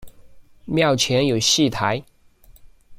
庙前有戏台。